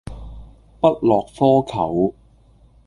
不落窠臼